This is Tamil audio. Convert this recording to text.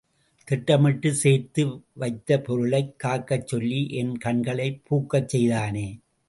திட்டமிட்டுச் சேர்த்து வைத்த பொருளைக் காக்கச் சொல்லி என் கண்களைப் பூக்கச் செய்தானே!